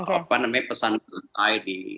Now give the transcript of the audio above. apa namanya pesan rantai di